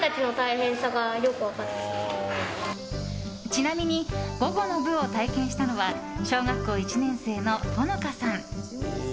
ちなみに午後の部を体験したのは小学校１年生の、ほのかさん。